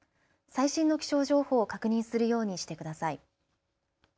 最新の気象情報を確認するようにしてください。